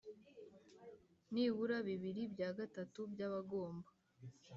nibura bibiri bya gatatu by abagomba